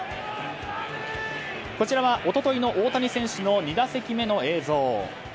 こちらは一昨日の大谷選手の２打席目の映像。